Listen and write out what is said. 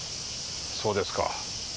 そうですか。